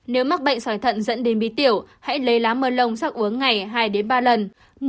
nếu mắc bệnh xoài thận dẫn đến bí tiểu hãy lấy lá mơ lông sắc uống ngày hai ba lần